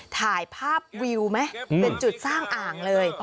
ถ่ายภาพวิวไหมเป็นจุดสร้างอ่างเลย